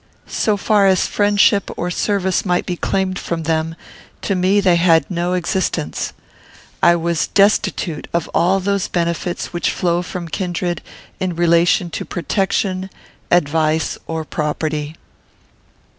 So far as friendship or service might be claimed from them, to me they had no existence. I was destitute of all those benefits which flow from kindred, in relation to protection, advice, or property.